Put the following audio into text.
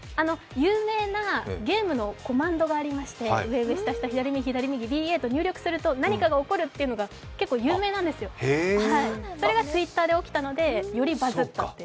有名なゲームのコマンドがありまして、上上下下左右左右ＢＡと入力すると何かが起こるというのが結構有名なんですが、それがＴｗｉｔｔｅｒで起きたのでよりバズったという。